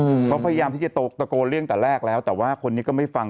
อืมเขาพยายามที่จะตกตะโกนเรื่องแต่แรกแล้วแต่ว่าคนนี้ก็ไม่ฟัง